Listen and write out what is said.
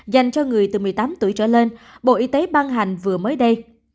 dành cho người từ một mươi tám tuổi trở lên bộ y tế ban hành vừa mới đây